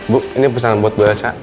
bu ini pesanan buat bu elsa